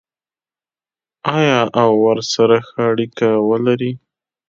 آیا او ورسره ښه اړیکه ولري؟